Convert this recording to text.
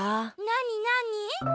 なになに？